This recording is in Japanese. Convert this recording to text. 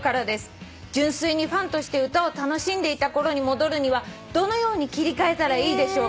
「純粋にファンとして歌を楽しんでいたころに戻るにはどのように切り替えたらいいでしょうか？」